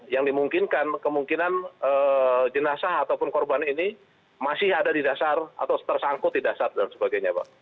yang dimungkinkan kemungkinan jenazah ataupun korban ini masih ada di dasar atau tersangkut di dasar dan sebagainya pak